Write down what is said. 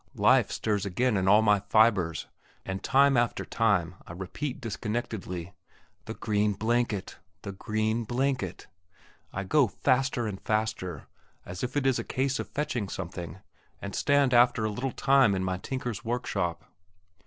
Life stirs again in all my fibres, and time after time I repeat disconnectedly, "The green blanket the green blanket." I go faster and faster, as if it is a case of fetching something, and stand after a little time in my tinker's workshop.